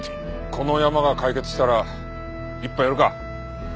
このヤマが解決したら一杯やるか。